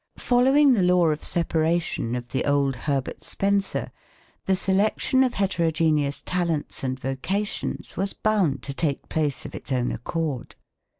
Following the law of separation of the old Herbert Spencer, the selection of heterogeneous talents and vocations was bound to take place of its own accord.